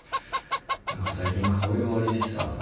何か最近顔色悪いしさ。